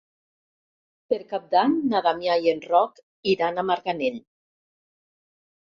Per Cap d'Any na Damià i en Roc iran a Marganell.